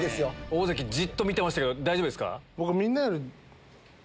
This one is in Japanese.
大関じっと見てましたけど大丈夫ですか？